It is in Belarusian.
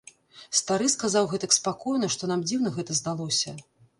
Стары сказаў гэтак спакойна, што нам дзіўна гэта здалося.